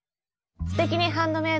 「すてきにハンドメイド」